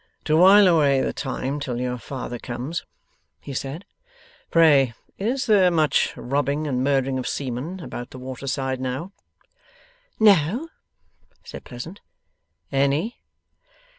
'To wile away the time till your father comes,' he said, 'pray is there much robbing and murdering of seamen about the water side now?' 'No,' said Pleasant. 'Any?